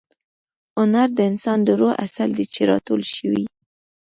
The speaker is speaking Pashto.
هنر د انسان د روح عسل دی چې را ټول شوی.